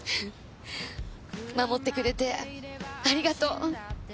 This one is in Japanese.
守ってくれてありがとう。